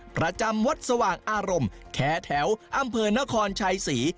ประจำวัดสว่างอารมณ์แคร์แถวอำเภอนครชัยศรี